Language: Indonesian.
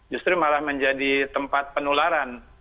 justru malah menjadi tempat penularan